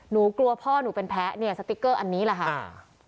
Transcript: หนูกลัวพ่อหนูเป็นแพ้เนี่ยสติ๊กเกอร์อันนี้แหละค่ะ